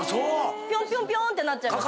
ピョンピョンピョンってなっちゃう。